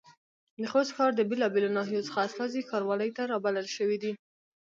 د خوست ښار د بېلابېلو ناحيو څخه استازي ښاروالۍ ته رابلل شوي دي.